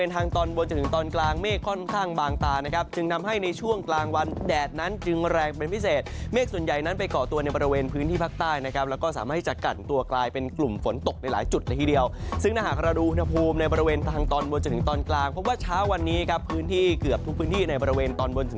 ค่อนข้างบางตานะครับจึงนำให้ในช่วงกลางวันแดดนั้นจึงแรงเป็นพิเศษเมฆส่วนใหญ่นั้นไปเกาะตัวในบริเวณพื้นที่ภาคใต้นะครับแล้วก็สามารถจัดกันตัวกลายเป็นกลุ่มฝนตกในหลายจุดในทีเดียวซึ่งหน้าหากรดูหุณภูมิในบริเวณทางตอนบนจนถึงตอนกลางพบว่าเช้าวันนี้ครับพื้นที่เกือบ